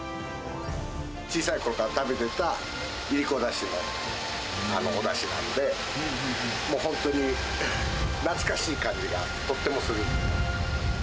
小さいころから食べてたイリコだしのおだしなので、もう本当に懐かしい感じがとってもする。